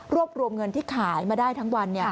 รวมเงินที่ขายมาได้ทั้งวัน